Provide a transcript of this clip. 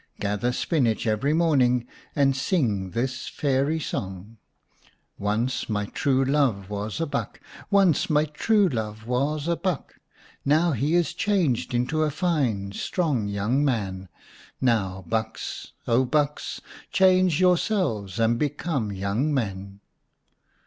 Gather spinach every morning, and sing this fairy song : 221 The Enchanted Buck xvm * Once my true love was a buck, Once my true love was a buck ; Now he is changed into a fine, strong young man. Now, bucks Oh, bucks, Change yourselves, and become young men.'